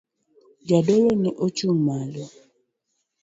Jadolo ne ochung' malo.